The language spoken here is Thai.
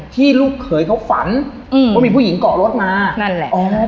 ที่ลูกเคยเขาฝันอืมว่ามีผู้หญิงเกาะรถมานั่นแหละอ๋อนั่นแหละ